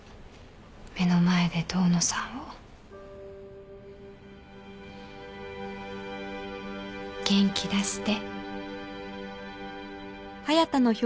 目の前で遠野さんを。元気出して。